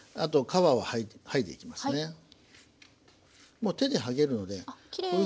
もう手で剥げるのできれいに。